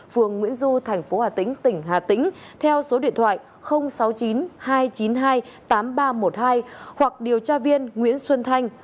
phường nguyễn du thành phố hà tĩnh tỉnh hà tĩnh theo số điện thoại sáu mươi chín hai trăm chín mươi hai tám nghìn ba trăm một mươi hai hoặc điều tra viên nguyễn xuân thanh